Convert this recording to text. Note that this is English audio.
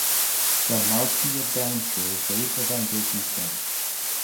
The Marquis of Downshire laid the foundation stone.